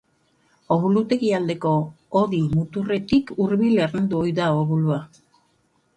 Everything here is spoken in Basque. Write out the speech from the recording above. Obulutegi aldeko hodi muturretik hurbil ernaldu ohi da obulua.